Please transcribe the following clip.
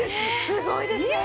すごいですね！